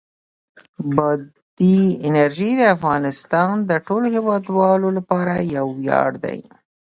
بادي انرژي د افغانستان د ټولو هیوادوالو لپاره یو ویاړ دی.